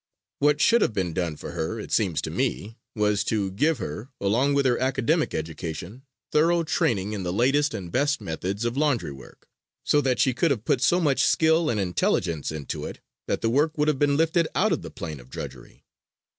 What should have been done for her, it seems to me, was to give her along with her academic education thorough training in the latest and best methods of laundry work, so that she could have put so much skill and intelligence into it that the work would have been lifted out from the plane of drudgery[A].